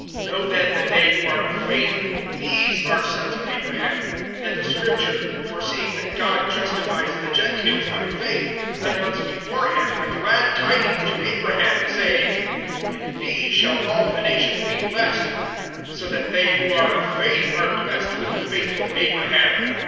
(7)Know then that they who are of faith, these are sons of Abraham. (8)And the Scripture, foreseeing that God justifies the Gentiles by faith, announced beforehand the glad tidings to Abraham, saying: In thee shall all the nations be blessed. (9)So that they who are of faith are blessed with the faithful Abraham.